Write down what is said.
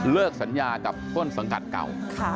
เลือกสัญญาจับต้นสังกรรมเด่งเก่า